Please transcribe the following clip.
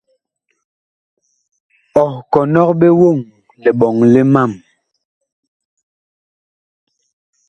Ɔh kɔnɔg ɓe woŋ liɓɔŋ li mam.